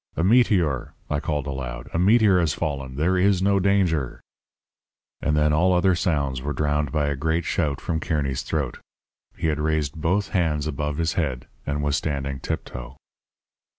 "'A meteor!' I called aloud. 'A meteor has fallen. There is no danger.' "And then all other sounds were drowned by a great shout from Kearny's throat. He had raised both hands above his head and was standing tiptoe.